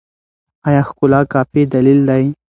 ایا ښکلا کافي دلیل دی؟